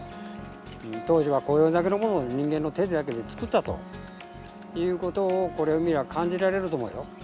当時はこれだけのものを、人間の手だけで作ったということを、これを見れば感じられると思うよ。